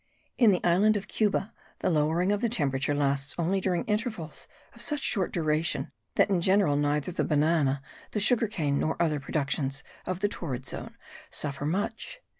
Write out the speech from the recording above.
In the island of Cuba the lowering of the temperature lasts only during intervals of such short duration that in general neither the banana, the sugar cane nor other productions of the torrid zone suffer much.